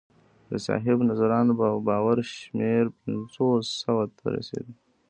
د صاحب نظرانو باور شمېر پنځو سوو ته رسېده